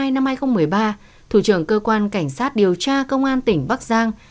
năm hai nghìn một mươi ba thủ trưởng cơ quan cảnh sát điều tra công an tỉnh bắc giang